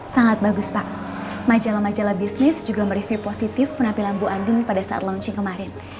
sangat bagus pak majalah majalah bisnis juga mereview positif penampilan bu andin pada saat launching kemarin